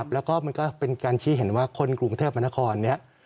แล้วก็มันก็เป็นการชี้เห็นว่าคนกรุงเทพมนครนี้